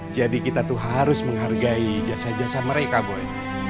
jadi kita tuh harus menghargai jasa jasa mereka boy